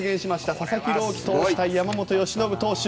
佐々木朗希投手対山本由伸投手。